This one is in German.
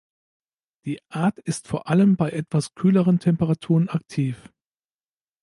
Die Art ist vor allem bei etwas kühleren Temperaturen aktiv.